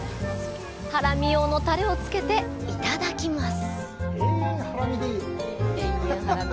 ハラミ用のタレをつけていただきます。